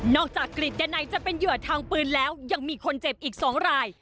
จากกฤษดันัยจะเป็นเหยื่อทางปืนแล้วยังมีคนเจ็บอีก๒ราย